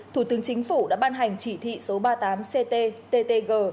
thủ tướng chính phủ đã ban hành chỉ thị số ba mươi tám cttg